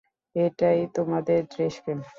এটাই তোমার দেশপ্রেম।